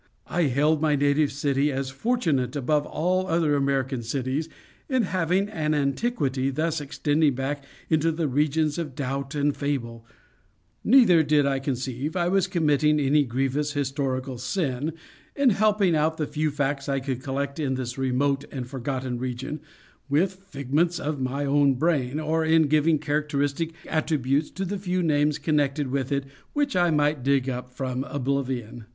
I hailed my native city as fortunate above all other American cities in having an antiquity thus extending back into the regions of doubt and fable; neither did I conceive I was committing any grievous historical sin in helping out the few facts I could collect in this remote and forgotten region with figments of my own brain, or in giving characteristic attributes to the few names connected with it which I might dig up from oblivion.